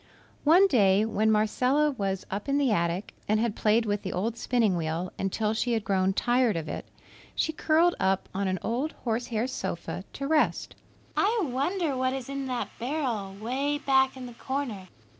One day when Marcella was up in the attic and had played with the old spinning wheel until she had grown tired of it, she curled up on an old horse hair sofa to rest. "I wonder what is in that barrel, 'way back in the corner?"